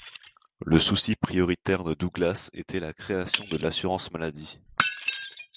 Le souci prioritaire de Douglas était la création de l'assurance maladie.